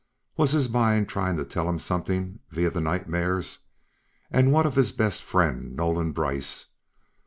Was his mind trying to tell him something via the nightmares? And what of his best friend, Nolan Brice.